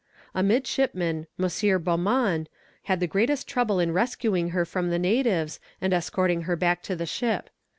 A midshipman, M. Bommand, had the greatest trouble in rescuing her from the natives, and escorting her back to the ship.